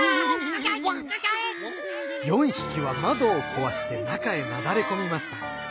４ひきはまどをこわしてなかへなだれこみました。